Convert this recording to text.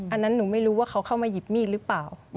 อันนั้นหนูไม่รู้ว่าเขาเข้ามาหยิบมีดหรือเปล่า